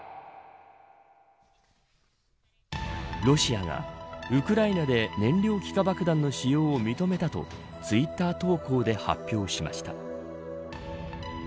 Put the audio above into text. ロシアが、ウクライナで燃料気化爆弾の使用を認めたとツイッター投稿で発表しました。